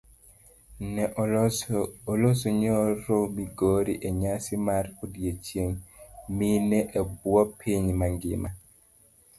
Ne oloso nyoro migori enyasi mar odiochieng' mine ebuo piny mangima.